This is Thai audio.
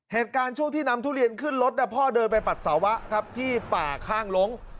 เหตุการณ์ช่วงที่นำทุเรียนขึ้นรถพ่อเดินไปปัสสาวะครับที่ป่าข้างลง